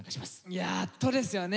やっとですよね！